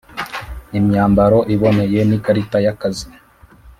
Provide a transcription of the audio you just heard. imyambaro iboneye n’ikarita y’akazi